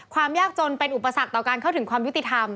ความยากจนเป็นอุปสรรคต่อการเข้าถึงความยุติธรรม